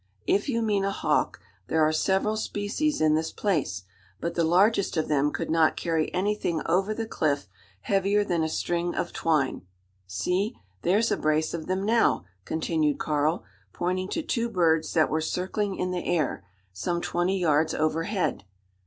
If you mean a hawk, there are several species in this place; but the largest of them could not carry anything over the cliff heavier than a string of twine. See, there's a brace of them now!" continued Karl, pointing to two birds that were circling in the air, some twenty yards overhead.